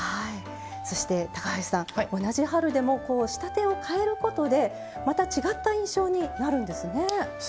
そして、高橋さん同じ春でも仕立てを変えることでまた違った印象になるんですね。